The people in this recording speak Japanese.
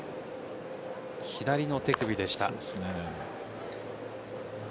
左の手首でした。